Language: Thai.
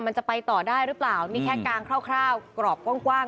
มันจะไปต่อได้หรือเปล่านี่แค่กลางคร่าวคร่าวกรอบกว้างกว้าง